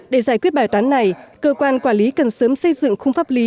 để giải quyết bài toán này cơ quan quản lý cần sớm xây dựng khung